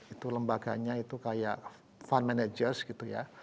itu lembaganya itu kayak fund managers gitu ya